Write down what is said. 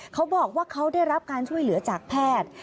เขาบอกว่าเขาได้รับการช่วยเหลือจากแพทย์